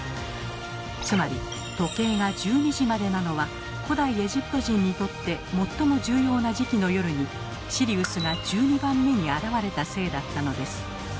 つまり時計が１２時までなのは古代エジプト人にとって最も重要な時期の夜にシリウスが１２番目に現れたせいだったのです。